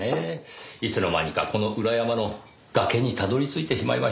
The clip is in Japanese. いつの間にかこの裏山の崖にたどり着いてしまいまして。